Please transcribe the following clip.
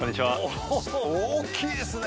おー大きいですね！